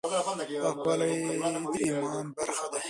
پاکواله د ایمان برخه ده.